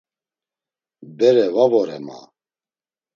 Bere va vore ma.